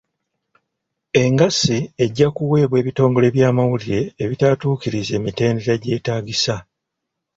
Engassi ejja kuweebwa ebitongole by'amawulire ebitaatuukirize mitendera gyetaagisa.